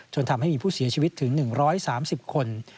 ทำให้มีผู้เสียชีวิตถึง๑๓๐คน